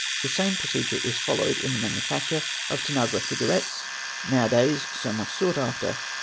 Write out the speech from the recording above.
The same procedure is followed in the manufacture of Tanagra figurettes, now a days so much sought after.